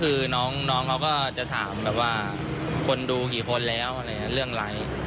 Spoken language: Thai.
ก็คือน้องเขาก็จะถามแบบว่าคนดูกี่คนแล้วเรื่องไลค์